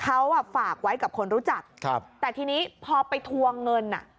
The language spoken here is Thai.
เขาอ่ะฝากไว้กับคนรู้จักครับแต่ทีนี้พอไปทวงเงินอ่ะ